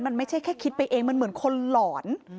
มันไม่ใช่แค่คิดไปเองมันเหมือนคนหลอน